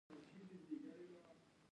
دغه افسر هم له خپلو پوځیانو را بېل شوی و.